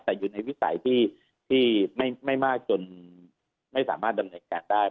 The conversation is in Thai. แต่อยู่ในวิสัยที่ไม่มากจนไม่สามารถดำเนินการได้